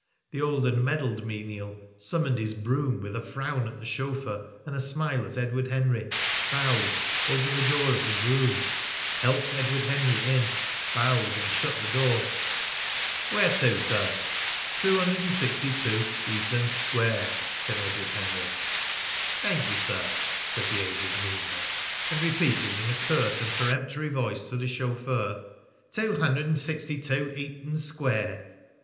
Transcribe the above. The old and medalled menial summoned his brougham with a frown at the chauffeur and a smile at Edward Henry, bowed, opened the door of the brougham, helped Edward Henry in, bowed, and shut the door. "Where to, sir?" "262 Eaton Square," said Edward Henry. "Thank you, sir," said the aged menial, and repeated in a curt and peremptory voice to the chauffeur, "262 Eaton Square!"